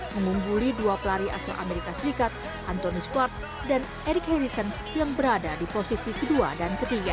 mengungguli dua pelari asal amerika serikat antoni spart dan eric harrison yang berada di posisi kedua dan ketiga